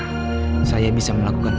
untuk membuatmu merasa lebih baik dan lebih baik